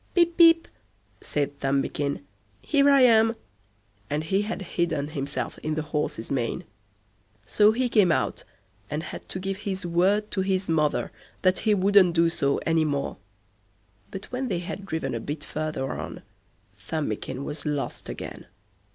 "Pip, Pip", said Thumbikin, "here I am"; and he had hidden himself in the horse's mane. So he came out, and had to give his word to his mother that he wouldn't do so any more. But when they had driven a bit further on, Thumbikin was lost again.